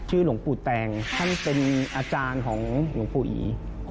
ชื่อลงปู่แตงฉะนั้นเป็นอาจารย์ของลงปู่หยี